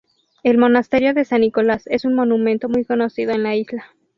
El Monasterio de San Nicolás es un monumento muy conocido en la isla.